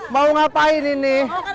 mau ngapain ini